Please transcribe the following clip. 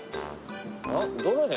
どの辺？